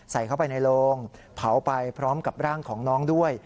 ใส่เข้าไปในโรงเผาไปพร้อมกับร่างของน้องด้วย